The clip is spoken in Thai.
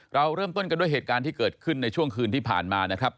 เราเริ่มต้นกันด้วยเหตุการณ์ที่เกิดขึ้นในช่วงคืนที่ผ่านมานะครับ